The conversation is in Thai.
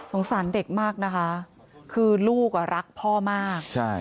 สารเด็กมากนะคะคือลูกอ่ะรักพ่อมากใช่